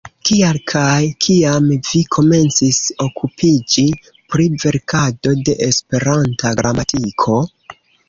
Kial kaj kiam vi komencis okupiĝi pri verkado de Esperanta gramatiko?